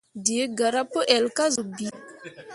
Dǝǝ garah pu ell kah zun bii.